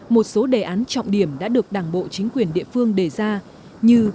một số đề án trọng điểm đã được đảng bộ chính quyền địa phương đề ra như